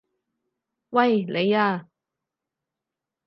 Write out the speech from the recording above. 喂！你啊！